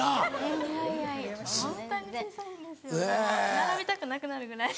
並びたくなくなるぐらい。